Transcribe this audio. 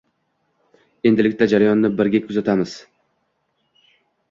endilikda jarayonni birga kuzatamiz.